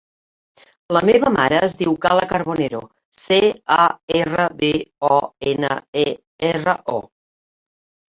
La meva mare es diu Kala Carbonero: ce, a, erra, be, o, ena, e, erra, o.